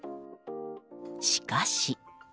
しかし。